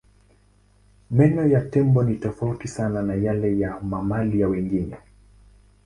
Meno ya tembo ni tofauti sana na yale ya mamalia wengine.